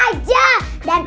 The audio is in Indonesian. ada rumah keo